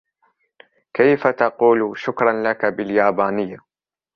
كيف تقول " شكراً لك " باليابانية ؟